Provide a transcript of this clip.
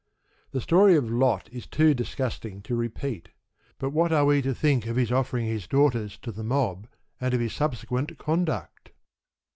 The story of Lot is too disgusting to repeat. But what are we to think of his offering his daughters to the mob, and of his subsequent conduct?